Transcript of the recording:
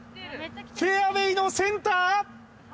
フェアウェイのセンター！？